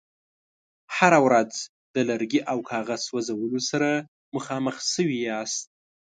هره ورځ د لرګي او کاغذ سوځولو سره مخامخ شوي یاست.